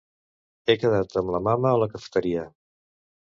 He quedat amb la mama a la cafeteria.